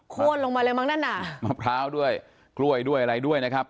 ลงมาเลยมั้งนั่นน่ะมะพร้าวด้วยกล้วยด้วยอะไรด้วยนะครับ